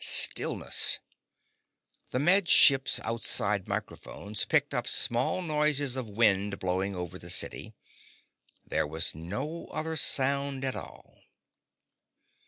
Stillness. The Med Ship's outside microphones picked up small noises of wind blowing over the city. There was no other sound at all.